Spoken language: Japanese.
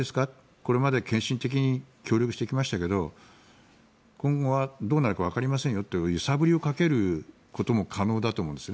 これまで献身的に協力してきましたけど今後はどうなるかわかりませんよと揺さぶりをかけることも可能だと思うんですよね